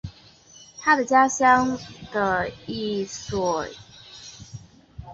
他在家乡的一所修道院首次接触了正式的艺术训练。